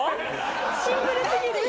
シンプルすぎる。